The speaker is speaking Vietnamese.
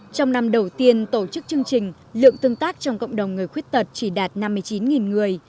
trong năm đầu tiên tổ chức chương trình lượng tương tác trong cộng đồng người khuyết tật chỉ đạt năm mươi chín người